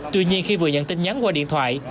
tuy nhiên khi vừa nhận tin nhắn qua điện thoại